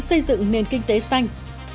xây dựng nền kinh tế xanh